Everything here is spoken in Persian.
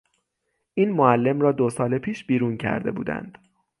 این معلم را دو سال پیش بیرون کرده بودند.